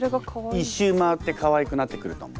一周回ってかわいくなってくると思う。